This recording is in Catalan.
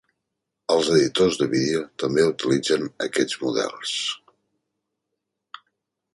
Els editors de vídeo també utilitzen aquests models.